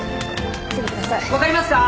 分かりますか？